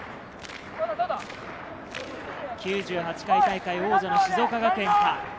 ９８回大会王者の静岡学園か？